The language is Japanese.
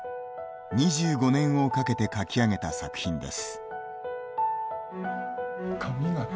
２５年をかけて書き上げた作品です。